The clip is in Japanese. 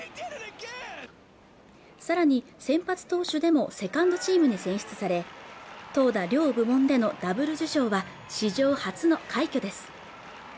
さらに先発投手でもセカンドチームに選出され投打両部門でのダブル受賞は史上初の快挙です